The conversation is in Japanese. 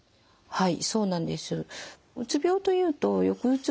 はい。